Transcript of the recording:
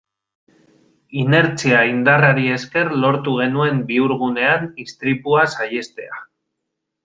Inertzia indarrari esker lortu genuen bihurgunean istripua saihestea.